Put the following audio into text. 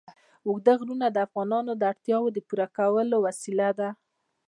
اوږده غرونه د افغانانو د اړتیاوو د پوره کولو وسیله ده.